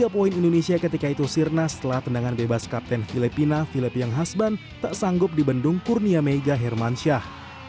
tiga poin indonesia ketika itu sirna setelah tendangan bebas kapten filipina filipiang hasban tak sanggup di bendung kurnia mega hermansyah